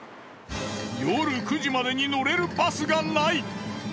夜９時までに乗れるバスがない！